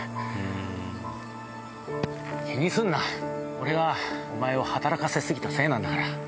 俺がお前を働かせ過ぎたせいなんだから。